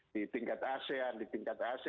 di tingkat asean di tingkat asia selalu begitu